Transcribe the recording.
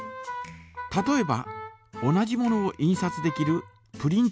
例えば同じものを印刷できるプリンター。